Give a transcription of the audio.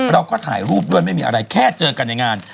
เราก็ถ่ายรูปด้วยไม่มีอะไรแค่เจอกันในงาน